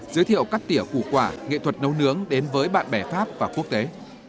giới thiệu các tỉa củ quả nghệ thuật nấu nướng đến với bạn bè pháp và quốc tế